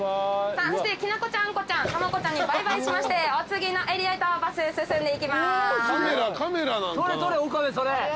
そしてきなこちゃんあんこちゃんたまこちゃんにバイバイしましてお次のエリアへとバス進んでいきます。